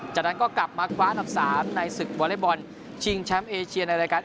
จากนั้นก็กลับมาคว้าอันดับ๓ในศึกวอเล็กบอลชิงแชมป์เอเชียในรายการ